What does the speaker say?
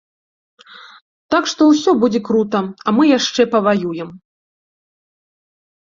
Так што ўсё будзе крута, а мы яшчэ паваюем!